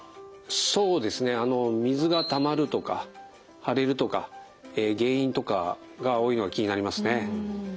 そうですね「水がたまる」とか「腫れる」とか「原因」とかが多いのが気になりますね。